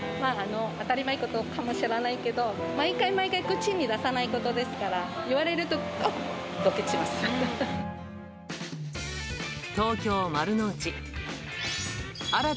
当たり前のことかもしれないけど、毎回毎回、口に出さないことですから、言われると、あっ、ドキッ東京・丸の内。